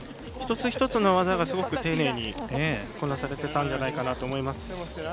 一つ一つの技がすごく丁寧にこなされてたんじゃないかなと思います。